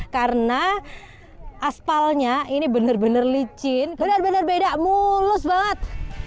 karena aspalnya ini benar benar licin benar benar beda mulus banget